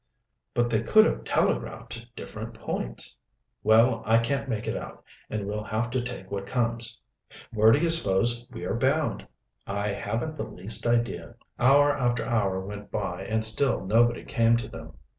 "But they could have telegraphed to different points." "Well, I can't make it out, and we'll have to take what comes." "Where do you suppose we are bound?" "I haven't the least idea." Hour after hour went by, and still nobody came to them.